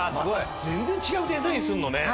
全然違うデザインするのね。